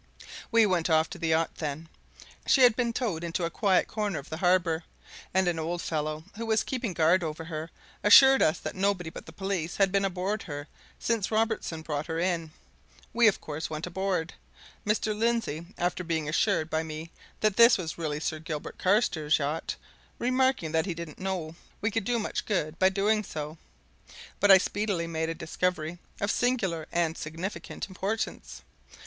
We went off to the yacht then. She had been towed into a quiet corner of the harbour, and an old fellow who was keeping guard over her assured us that nobody but the police had been aboard her since Robertson brought her in. We, of course, went aboard, Mr. Lindsey, after being assured by me that this really was Sir Gilbert Carstairs' yacht, remarking that he didn't know we could do much good by doing so. But I speedily made a discovery of singular and significant importance.